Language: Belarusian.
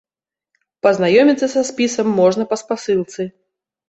Пазнаёміцца са спісам можна па спасылцы.